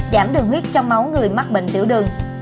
giảm đường huyết trong máu người mắc bệnh tiểu đường